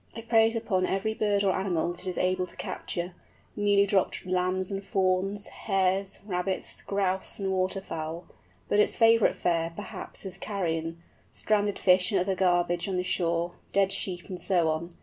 It preys upon every bird or animal that it is able to capture—newly dropped lambs and fawns, hares, rabbits, grouse, and waterfowl. But its favourite fare, perhaps, is carrion—stranded fish and other garbage on the shore, dead sheep, and so on.